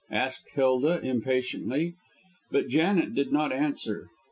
asked Hilda, impatiently. But Janet did not answer.